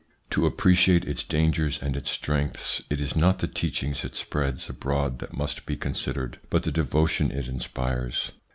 To appreciate its dangers and its strength, it is not the teachings it spreads abroad that must be con sidered, but the devotion it inspires.